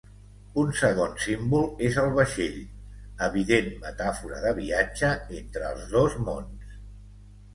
Un segon símbol és el vaixell, evident metàfora de viatge entre els dos mons.